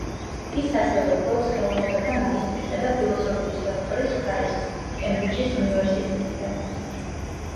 ის ასევე ფლობს ხელოვნებათა მაგისტრისა და ფილოსოფიის დოქტორის ხარისხს კემბრიჯის უნივერსიტეტიდან.